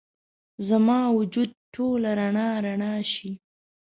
زما وجود ټوله رڼا، رڼا شي